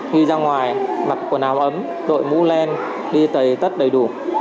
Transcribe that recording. khi ra ngoài mặc quần áo ấm đội mũ len đi tẩy tất đầy đủ